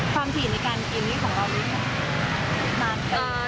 ความถี่ในการกินที่ของรอบนี้มากเกินไหม